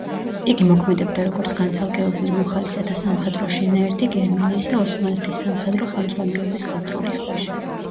იგი მოქმედებდა როგორც განცალკევებული მოხალისეთა სამხედრო შენაერთი გერმანიის და ოსმალეთის სამხედრო ხელმძღვანელობის კონტროლის ქვეშ.